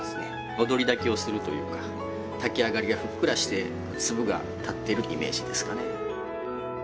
おどり炊きをするというか炊き上がりがふっくらして粒が立ってるイメージですかね